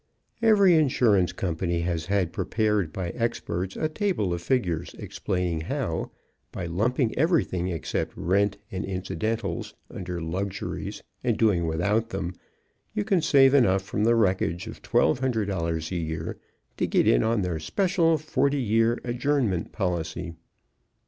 Every insurance company has had prepared by experts a table of figures explaining how, by lumping everything except Rent and Incidentals under Luxuries and doing without them, you can save enough from the wreckage of $1,200 a year to get in on their special Forty Year Adjournment Policy.